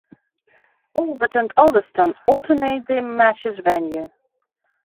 Albert and Ulverston alternate the match's venue.